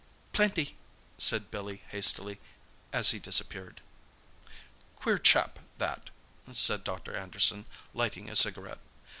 "Plenty!" said Billy hastily, as he disappeared. "Queer chap, that," said Dr. Anderson, lighting a cigarette.